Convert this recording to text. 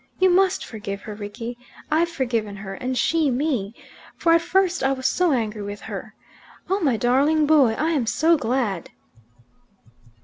You must forgive her, Rickie. I've forgiven her, and she me; for at first I was so angry with her. Oh, my darling boy, I am so glad!"